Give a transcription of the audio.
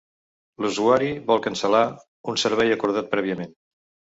L'usuari vol cancel·lar un servei acordat prèviament.